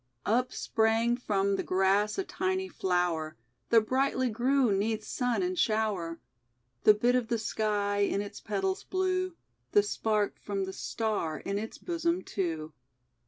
Up sprang from the grass a tiny flower That brightly grew 'neath sun and shower: The bit of the Sky in its petals blue, The spark from the Star in Us bosom, too.